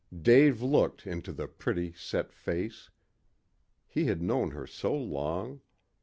Dave looked into the pretty, set face. He had known her so long.